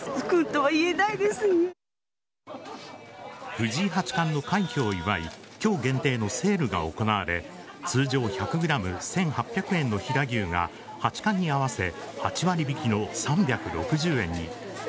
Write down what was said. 藤井八冠の快挙を祝い今日限定のセールが行われ通常１００ｇ１８００円の飛騨牛が八冠に合わせ８割引の３６０円に。